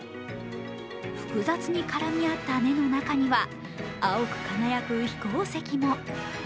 複雑に絡み合った根の中には青く輝く飛行石も。